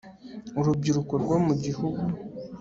urubyiruko rwo gihugu no mu mahanga